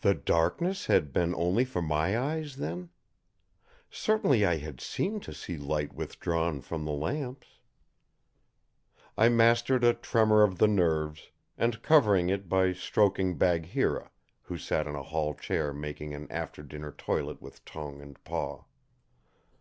The darkness had been only for my eyes, then? Certainly I had seemed to see light withdrawn from the lamps. I mastered a tremor of the nerves, and covered it by stroking Bagheera, who sat on a hall chair making an after dinner toilet with tongue and paw.